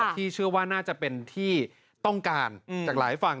ที่เชื่อว่าน่าจะเป็นที่ต้องการจากหลายฝั่ง